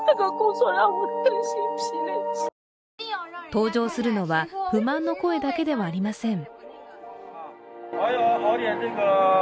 登場するのは、不満の声だけではありません。